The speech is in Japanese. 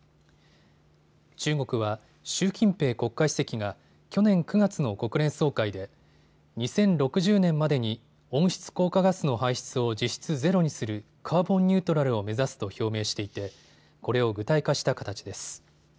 中国は習近平国家主席が去年９月の国連総会で２０６０年までに温室効果ガスの排出を実質ゼロにするカーボンニュートラルを目指すと表明していてこれを具体化した形です。